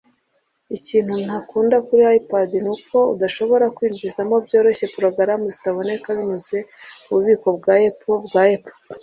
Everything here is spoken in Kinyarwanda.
Ikintu ntakunda kuri iPad nuko udashobora kwinjizamo byoroshye porogaramu zitaboneka binyuze mububiko bwa Apple bwa Apple